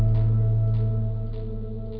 สวัสดีครับ